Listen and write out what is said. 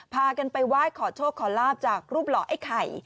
พากันไปไหว้ขอโชคขอลาบจากรูปหล่อไอ้ไข่